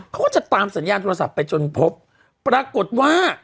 เขาก็จะตามสัญญาณโทรศัพท์ไปจนพบปรากฏว่า